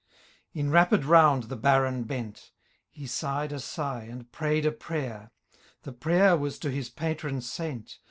In rapid round the Baron bent ; He sighed a sigh, and pray*d a prayer ; The prayer was to his patron saint.